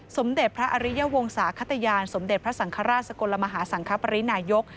สมเด็จพระอริยวงศาขตยานสมเด็จพระสังฆราชสกลมหาสังคปรินายก